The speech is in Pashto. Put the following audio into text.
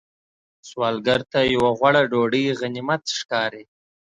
سوالګر ته یو غوړه ډوډۍ غنیمت ښکاري